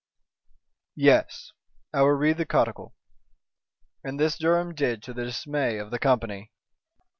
"Yes! I will read the codicil!" and this Durham did to the dismay of the company.